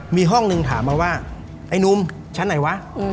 มีห้องหนึ่งถามมาว่าไอ้นุ่มชั้นไหนวะ